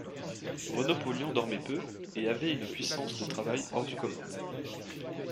Renaud Paulian dormait peu et avait une puissance de travail hors du commun.